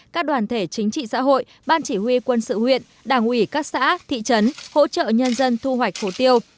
các đoàn thể chính trị xã hội ban chỉ huy quân sự huyện đảng ủy các xã thị trấn hỗ trợ nhân dân thu hoạch hồ tiêu